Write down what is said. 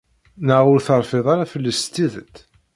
Naɣ ur terfid ara fell-is s tidet?